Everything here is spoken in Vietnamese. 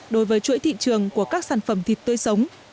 đối với chuỗi thị trường của các sản phẩm thịt tươi sống